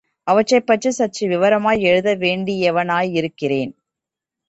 அவற்றைப் பற்றி சற்று விவரமாய் எழுத வேண்டியவனாயிருக்கிறேன்.